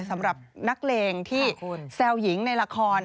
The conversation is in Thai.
สำหรับนักเลงที่แซวหญิงในละคร